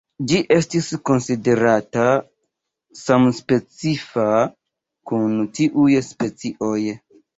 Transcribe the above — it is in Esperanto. Ĝi estis konsiderata samspecifa kun tiuj specioj.